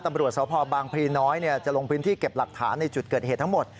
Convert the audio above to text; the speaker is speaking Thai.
ตำรวจสพบางพลีน้อยจะลงพื้นที่เก็บหลักฐานในจุดเกิดเหตุทั้งหมด